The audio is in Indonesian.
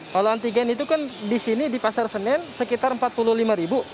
kalau antigen itu kan di sini di pasar senen sekitar empat puluh lima ribu